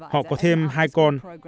họ có thêm hai con